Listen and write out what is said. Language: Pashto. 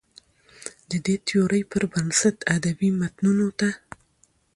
د دې تيورۍ پر بنسټ ادبي متونو ته